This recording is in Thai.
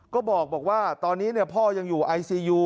ก็บอกว่าตอนนี้พ่อยังอยู่ไอซียู